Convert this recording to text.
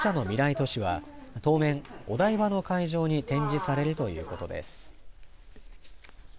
都市は当面、お台場の会場に展示されるということです。